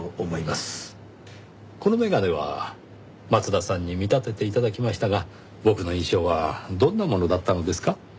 この眼鏡は松田さんに見立てて頂きましたが僕の印象はどんなものだったのですか？